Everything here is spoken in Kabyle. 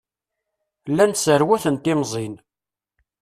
Llan sserwaten timẓin.